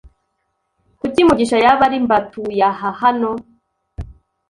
Kuki Mugisha yaba ari mbatuyaha hano?